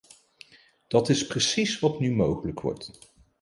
Dat is precies wat nu mogelijk wordt.